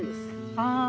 ああ。